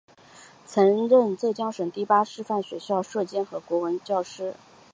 曾任浙江省第八师范学校舍监和国文教师。